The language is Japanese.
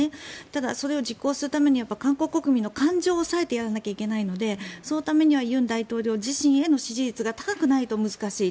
ただ、それを実行するために韓国国民の感情を抑えてやらないきゃいけないのでそのためには尹大統領自身への支持率が高くないと難しい。